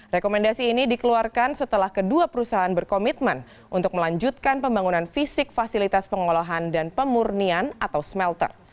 rekomendasi ini dikeluarkan setelah kedua perusahaan berkomitmen untuk melanjutkan pembangunan fisik fasilitas pengolahan dan pemurnian atau smelter